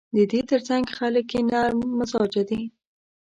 د دې ترڅنګ خلک یې نرم مزاجه دي.